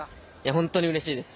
本当にうれしいです。